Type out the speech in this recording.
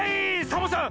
サボさん